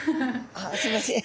ああすいません。